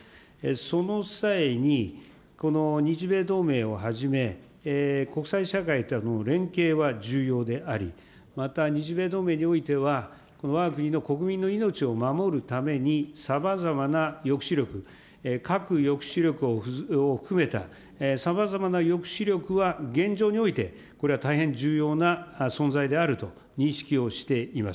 その際に、この日米同盟をはじめ、国際社会との連携は重要であり、また日米同盟においては、わが国の国民の命を守るために、さまざまな抑止力、核抑止力を含めた、さまざまな抑止力は現状においてこれは大変重要な存在であると認識をしております。